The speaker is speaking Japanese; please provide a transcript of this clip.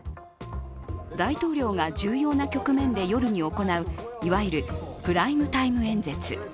大統領が重要な局面で夜に行ういわゆるプライムタイム演説。